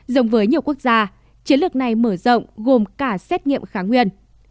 giống với nhiều quốc gia chiến lược này mở rộng gồm cả xét nghiệm kháng nguyên